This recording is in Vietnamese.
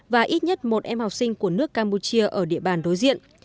và ít nhất một em học sinh của nước campuchia ở địa bàn đối diện